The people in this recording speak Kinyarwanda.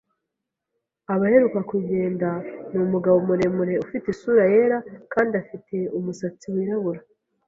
Abaherukakugenda ni umugabo muremure, ufite isura yera kandi afite umusatsi wirabura.